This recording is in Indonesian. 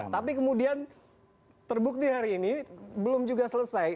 tapi kemudian terbukti hari ini belum juga selesai